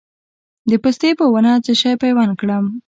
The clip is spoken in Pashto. د پستې په ونه څه شی پیوند کړم؟